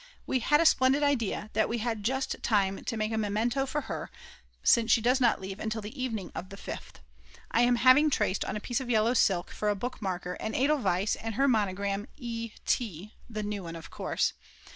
We had a splendid idea, that we had just time to make a memento for her, since she does not leave until the evening of the 5th. I am having traced on a piece of yellow silk for a book marker an edelweiss and her monogram E. T., the new one of course.